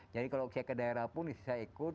jadi kalau saya ke daerah pun istri saya ikut